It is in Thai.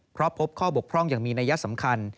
เพราะพบข้อบกพร่องอย่างมีนัยสำคัญ